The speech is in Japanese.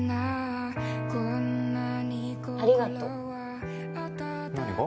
ありがとう。何が？